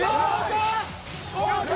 よっしゃ！